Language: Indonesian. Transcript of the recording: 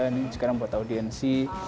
ini sekarang buat audiensi